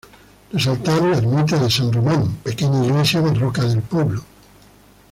Resaltar la ermita de San Román, pequeña iglesia barroca del pueblo.